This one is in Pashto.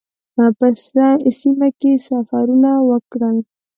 په سیمه کې سفرونه وکړل.